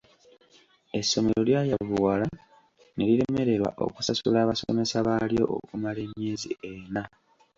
Essomero lyayavuwala ne liremererwa okusasula abasomesa baalyo okumala emyezi ena.